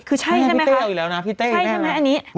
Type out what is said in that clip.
คือใช่ใช่ไหมครับใช่ใช่ไหมอันนี้คุณเต้เอาอยู่แล้วนะพี่เต้